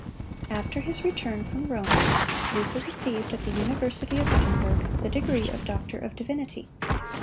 After his return from Rome, Luther received at the University of Wittenberg the degree of Doctor of Divinity.